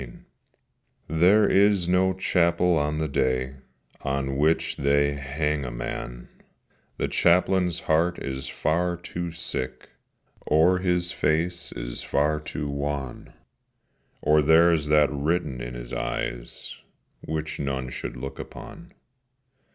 IV THERE is no chapel on the day On which they hang a man: The Chaplain's heart is far too sick, Or his face is far too wan, Or there is that written in his eyes Which none should look upon.